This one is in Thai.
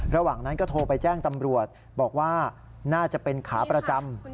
ระหว่างนั้นก็โทรไปแจ้งตำรวจบอกว่าน่าจะเป็นขาประจำ